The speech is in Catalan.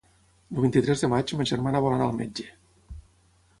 El vint-i-tres de maig ma germana vol anar al metge.